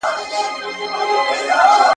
موږ په ګډه نوې ویبپاڼه ډیزاین کوو.